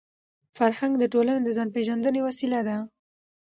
فرهنګ د ټولني د ځان پېژندني وسیله ده.